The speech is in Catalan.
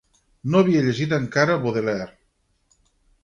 No havia llegit encara Baudelaire